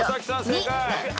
正解。